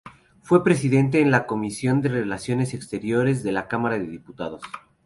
Fue Presidente de la Comisión de Relaciones Exteriores de la Cámara de Diputados.